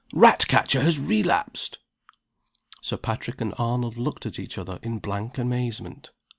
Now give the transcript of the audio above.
Ratcatcher has relapsed!" Sir Patrick and Arnold looked at each other in blank amazement.